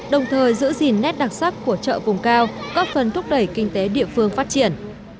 đồng thời giữ gìn nét đặc sắc của chợ vùng cao góp phần thúc đẩy kinh tế địa phương phát triển